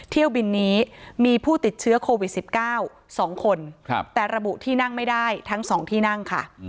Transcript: เที่ยวบินนี้มีผู้ติดเชื้อโควิด๑๙๒คนแต่ระบุที่นั่งไม่ได้ทั้ง๒ที่นั่งค่ะ